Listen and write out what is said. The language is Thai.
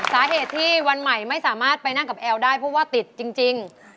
สาเหตุที่วันใหม่ไม่สามารถไปนั่งกับแอลได้เพราะว่าติดจริง